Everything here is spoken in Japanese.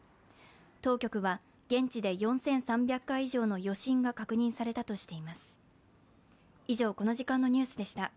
当局は現地で４３００回以上の余震が確認されたとしています。